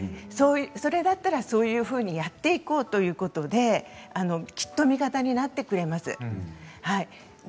それだったら、そういうふうにやっていこうということできっと味方になってくれます。